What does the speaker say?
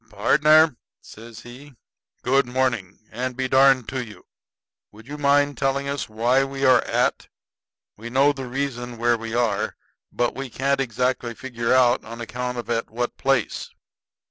"Pardner," says he, "good morning, and be darned to you. Would you mind telling us why we are at? We know the reason we are where, but can't exactly figure out on account of at what place."